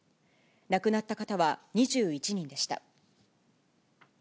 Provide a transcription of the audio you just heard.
亡くなった方は２１人でした。